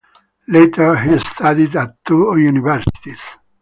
Later He studied at two universities.